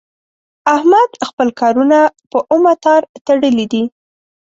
احمد خپل کارونه په اومه تار تړلي دي.